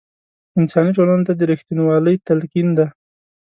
انساني ټولنو ته د رښتینوالۍ تلقین دی.